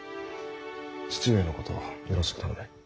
父上のことよろしく頼む。